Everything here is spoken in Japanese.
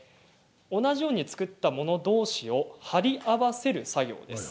同じように作ったものどうしを貼り合わせる作業です。